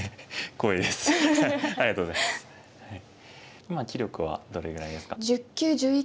今棋力はどれぐらいですか？